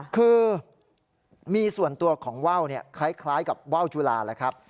คือมีส่วนตัวของว่าวคล้ายกับว่าวจุลาแล้วครับ